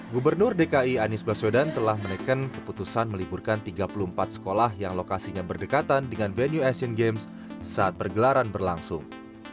gubernur dki anies baswedan telah menekan keputusan meliburkan tiga puluh empat sekolah yang lokasinya berdekatan dengan venue asian games saat pergelaran berlangsung